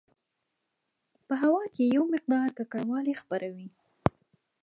په هوا کې یو مقدار ککړوالی خپروي.